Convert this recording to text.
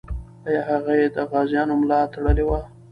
آیا هغې د غازیانو ملا تړلې وه؟